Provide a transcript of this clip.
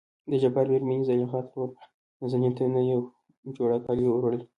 دجبار مېرمنې زليخا ترور نازنين ته نه يو جوړ کالي وړل.